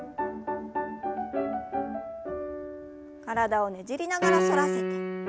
体をねじりながら反らせて。